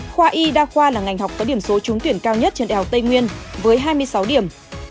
khoa y đa khoa là ngành học có điểm số trúng tuyển cao nhất trên đại học tây nguyên với hai mươi sáu điểm